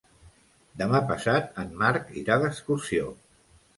Demà passat en Marc irà d'excursió.